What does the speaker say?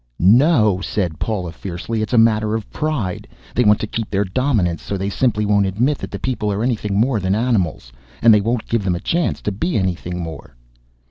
"No," said Paula fiercely. "It's a matter of pride. They want to keep their dominance, so they simply won't admit that the people are anything more than animals, and they won't give them a chance to be anything more."